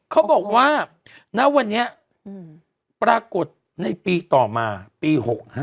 เขาบอกว่าณวันนี้ปรากฏในปีต่อมาปี๖๕